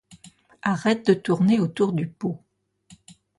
Arrête de tourner autour du pot !